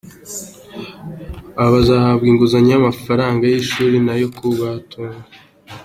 Aba bazahabwa inguzanyo ku mafaranga y’ishuri n’ayo kubatunga.